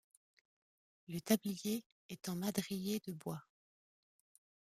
Le tablier est en madriers de bois.